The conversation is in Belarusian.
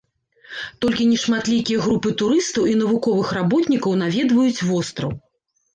Толькі нешматлікія групы турыстаў і навуковых работнікаў наведваюць востраў.